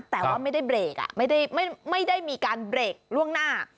แต่ว่าไม่ได้เบรกไม่ได้มีการเบรกล่วงหน้า